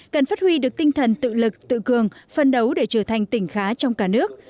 cần phát huy được tinh thần tự lực tự cường phân đấu để trở thành tỉnh khá trong cả nước